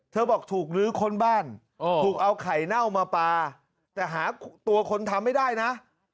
บอกถูกลื้อค้นบ้านถูกเอาไข่เน่ามาปลาแต่หาตัวคนทำไม่ได้นะ